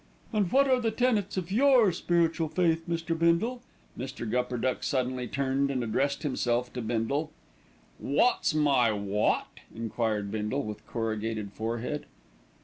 "And what are the tenets of your spiritual faith, Mr. Bindle?" Mr. Gupperduck suddenly turned and addressed himself to Bindle. "Wot's my wot?" enquired Bindle with corrugated forehead.